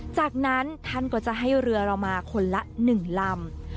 จากนั้นท่านก็จะให้เรือเรามาคนละ๑ลำ